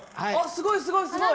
すごいすごいすごい！